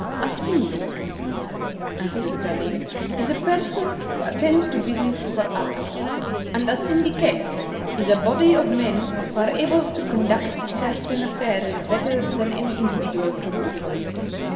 "A syndic," answered Salim, "is a person who attends to business for others; and a syndicate is a body of men who are able to conduct certain affairs better than any individual can do it.